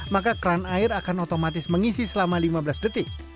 maka kran air akan otomatis mengisi selama lima belas detik